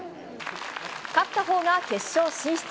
勝ったほうが決勝進出。